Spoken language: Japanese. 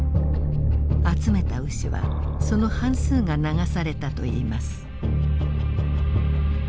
集めた牛はその半数が流されたといいます。